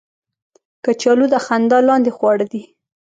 کچالو د خندا لاندې خواړه دي